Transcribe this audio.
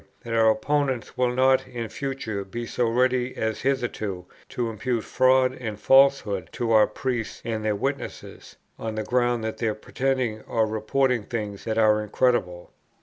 that our opponents will not in future be so ready as hitherto, to impute fraud and falsehood to our priests and their witnesses, on the ground of their pretending or reporting things that are incredible.